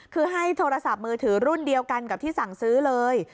คือให้โทรศัพท์มือถือรุ่นเดียวกันกับที่สั่งซื้อเลย